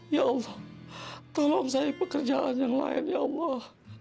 ya allah tolong saya pekerjaan yang lain ya allah